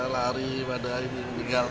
lari pada tinggal